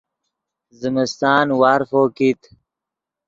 زمستان وارفو کیت